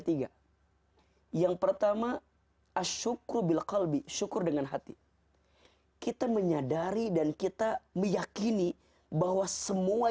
tiga yang pertama asyukru bil kalbi syukur dengan hati kita menyadari dan kita meyakini bahwa semua